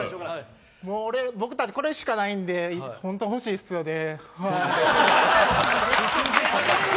僕たちこれしかないんでホント欲しいですよね。